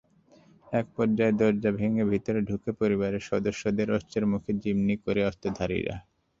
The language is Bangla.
একপর্যায়ে দরজা ভেঙে ভেতরে ঢুকে পরিবারের সদস্যদের অস্ত্রের মুখে জিমিঞ্চ করে অস্ত্রধারীরা।